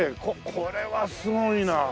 ここれはすごいな。